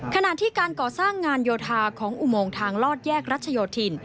ขณะที่การก่อสร้างงานโยธาของอุโมงทางลอดแยกรัชโยธิน